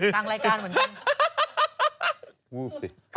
กลางรายการเหมือนกัน